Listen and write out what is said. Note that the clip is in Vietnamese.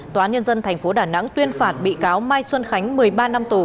tòa án nhân dân tp đà nẵng tuyên phạt bị cáo mai xuân khánh một mươi ba năm tù